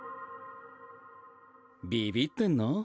ビビってんの？